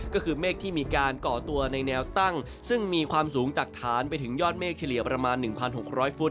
ก็คือเมฆที่มีการก่อตัวในแนวตั้งซึ่งมีความสูงจากฐานไปถึงยอดเมฆเฉลี่ยประมาณ๑๖๐๐ฟุต